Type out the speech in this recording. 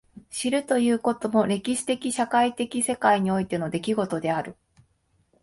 知るということも歴史的社会的世界においての出来事である。